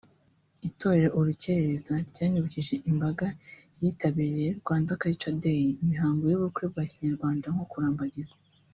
Itorero urukerereza ryanibukije imbaga yitabiriye Rwanda Cutural Day imihango y’ubukwe bwa Kinyarwanda nko kurambagiza